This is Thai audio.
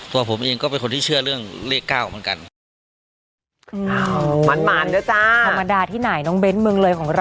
ตัวผมเองก็เป็นคนที่เชื่อเรื่องเลข๙เหมือนกัน